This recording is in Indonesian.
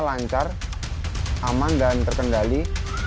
lancar aman dan terkendali